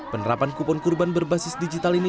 penerapan kupon kurban berbasis digital ini